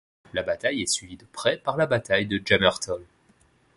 La bataille est suivie de près par la bataille du Jammertal.